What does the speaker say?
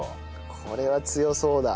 これは強そうだ。